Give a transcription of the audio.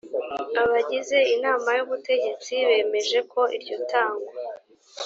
abagize inama y ubutegetsi bemeje ko iryo tangwa